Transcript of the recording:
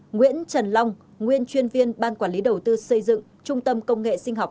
nguyễn trần long nguyên chuyên viên ban quản lý đầu tư xây dựng trung tâm công nghệ sinh học